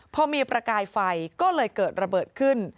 พอมีประกายไฟก็เลยเกิดระเบิดขึ้น